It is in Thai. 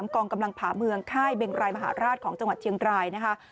กองกำลังผ่าเมืองค่ายเบงรายมหาราชของจังหวัดเชียงรายนะคะ